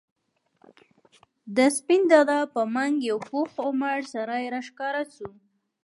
د سپين دادا په منګ یو پوخ عمر سړی راښکاره شو.